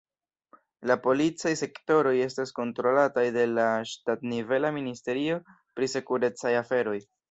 La policaj sektoroj estas kontrolataj de la ŝtatnivela ministerio pri sekurecaj aferoj.